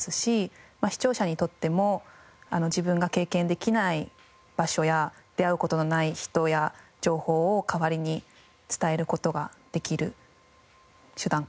視聴者にとっても自分が経験できない場所や出会う事のない人や情報を代わりに伝える事ができる手段かなと思います。